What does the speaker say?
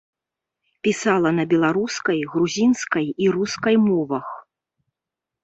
Пісала на беларускай, грузінскай і рускай мовах.